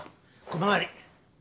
小回り。